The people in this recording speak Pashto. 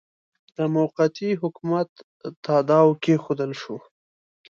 د موقتي حکومت تاداو کښېښودل شو.